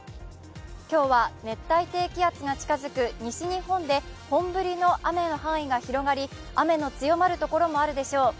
今日は熱帯低気圧が近づく西日本で本降りの雨の範囲が広がり雨の強まるところもあるでしょう。